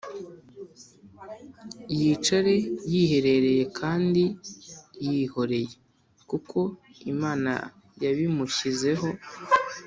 Yicare yiherereye kandi yihoreye, Kuko Imana yabimushyizeho.